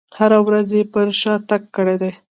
هره ورځ یې پر شا تګ کړی دی.